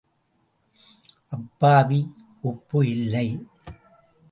அப்பாவி உப்பு இல்லை.